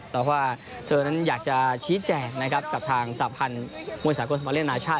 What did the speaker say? แล้วว่าเธอนั้นอยากจะชี้แจกนะครับกับทางสรรพันธ์มวยสาคมสมัครเรียนอนาชาติ